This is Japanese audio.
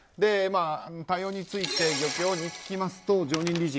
対応について漁協に聞きますと常任理事